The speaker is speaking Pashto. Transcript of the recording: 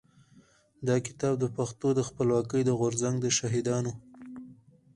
دا کتاب د پښتنو د خپلواکۍ د غورځنګ د شهيدانو.